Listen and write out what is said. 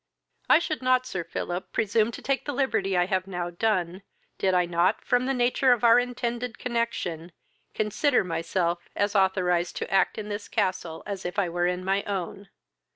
"I should not, Sir Philip, presume to take the liberty I have now done, did I not, from the nature of our intended connexion, consider myself as authorised to act in this castle as if I were in my own.